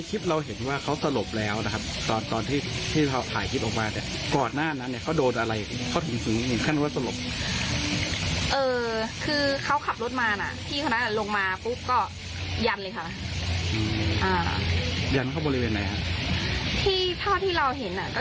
กับน่ามากกว่าก็ไม่ได้โดนตัวหรืออะไร